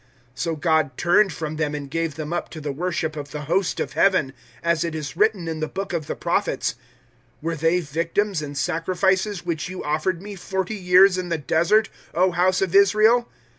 007:042 So God turned from them and gave them up to the worship of the Host of Heaven, as it is written in the Book of the Prophets, "'Were they victims and sacrifices which you offered Me, forty years in the Desert, O House of Israel?